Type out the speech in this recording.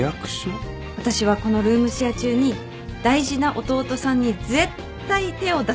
私はこのルームシェア中に大事な弟さんに絶対手を出さないと誓います